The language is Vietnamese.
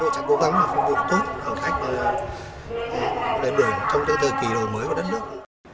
chúng tôi sẽ cố gắng phục vụ tốt hành khách lên đường trong cái thời kỳ đầu mới của đất nước